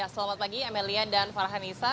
selamat pagi amelia dan farhanisa